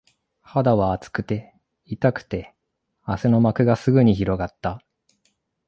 肌は熱くて、痛くて、汗の膜がすぐに広がった